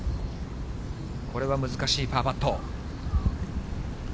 これは難しいパーパット。